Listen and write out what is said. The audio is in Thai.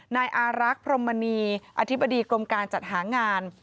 นายอารักษ์พรมมณีอธิบดีกรมการจัดหางาน